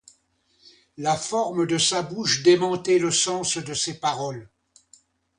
La forme de sa bouche démentait le sens de ses paroles.